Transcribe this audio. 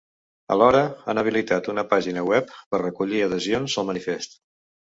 Alhora, han habilitat una pàgina web per recollir adhesions al manifest.